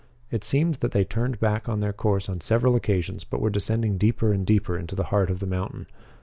It seemed that they turned back on their course on several occasions but were descending deeper and deeper into the heart of the mountain.